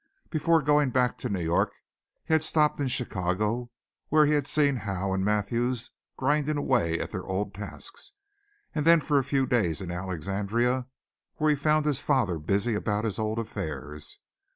Before going back to New York he had stopped in Chicago, where he had seen Howe and Mathews grinding away at their old tasks, and then for a few days in Alexandria, where he found his father busy about his old affairs.